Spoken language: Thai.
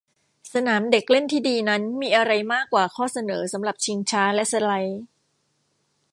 สนามเด็กเล่นที่ดีนั้นมีอะไรมากกว่าข้อเสนอสำหรับชิงช้าและสไลด์